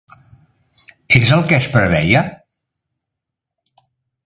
És el que es preveia?